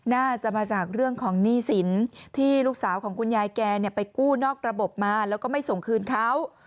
น่าจะมาจากเรื่องของหนี้สินที่ลูกสาวของคุณยายแกไปกู้นอกระบบมาแล้วก็ไม่ส่งคืนเขา